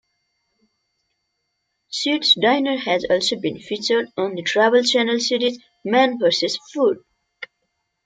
Sid's Diner has also been featured on the Travel Channel series "Man versus Food".